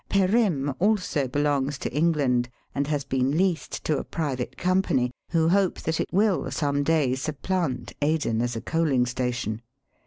Perim also belongs to England, and has been leased to a private company, who hope that it will some day supplant Aden as a coaling station.